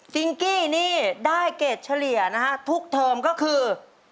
กี้นี่ได้เกรดเฉลี่ยนะฮะทุกเทอมก็คือ